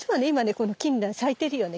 このキンラン咲いてるよね